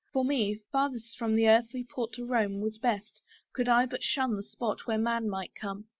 For me farthest from earthly port to roam Was best, could I but shun the spot where man might come.